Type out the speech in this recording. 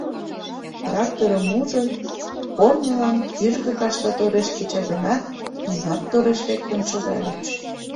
Тракторым ужын, корнылан кӱжгӧ кашта тореш кеча гынат, нунат тореш лектын шогальыч.